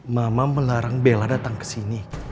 mama melarang bella datang kesini